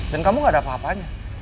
dan kamu gak ada apa apanya